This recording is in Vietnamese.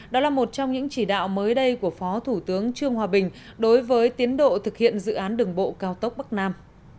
đó là một trong những chỉ đạo mới đây của phó thủ tướng trương hòa bình đối với tiến độ thực hiện dự án đường bộ cao tốc bắc nam